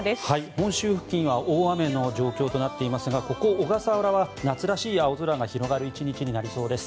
本州付近は大雨の状況となっていますがここ、小笠原は夏らしい青空が広がる１日になりそうです。